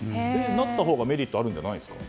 成ったほうがメリットあるんじゃないですか？